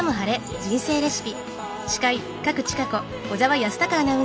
人生レシピ」。